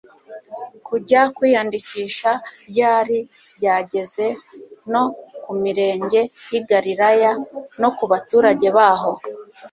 kujya kwiyandikisha ryari ryageze no ku mirenge y'i Galilaya no ku baturage baho.